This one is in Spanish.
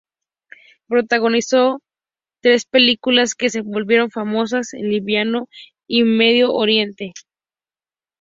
Protagonizó tres películas, que se volvieron famosas en Líbano y el Medio Oriente.